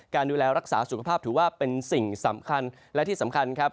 การดูแลรักษาสุขภาพถือว่าเป็นสิ่งสำคัญและที่สำคัญครับ